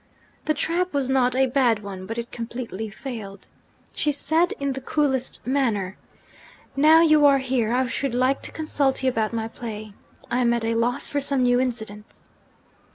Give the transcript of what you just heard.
The trap was not a bad one but it completely failed. She said in the coolest manner, "Now you are here, I should like to consult you about my play; I am at a loss for some new incidents."